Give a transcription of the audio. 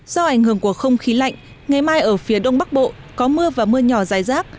do ảnh hưởng của không khí lạnh ngày mai ở phía đông bắc bộ có mưa và mưa nhỏ dài rác